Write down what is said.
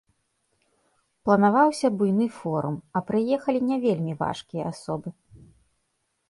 Планаваўся буйны форум, а прыехалі не вельмі важкія асобы.